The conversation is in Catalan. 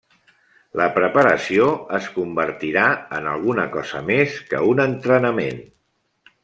La preparació es convertirà en alguna cosa més que un entrenament.